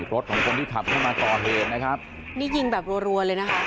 รถของคนที่ขับเข้ามาก่อเหตุนะครับนี่ยิงแบบรัวรัวเลยนะคะ